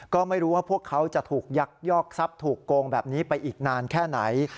ก็ไม่รู้ว่าพวกเขาจะถูกยักยอกทรัพย์ถูกโกงแบบนี้ไปอีกนานแค่ไหน